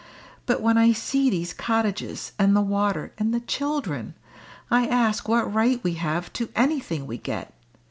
But when I see these cottages, and the water, and the children, I ask what right we have to anything we get.